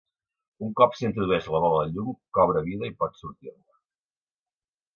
Un cop s'introdueix la bola de llum cobra vida i pot sortir-ne.